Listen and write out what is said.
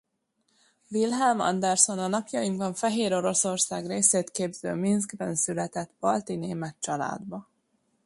Wilhelm Anderson a napjainkban Fehéroroszország részét képző Minszkben született balti német családba.